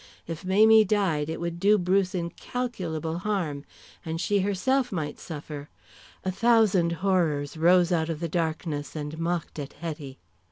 If Mamie died it would do Bruce incalculable harm. And she herself might suffer. A thousand horrors rose out of the darkness and mocked at Hetty.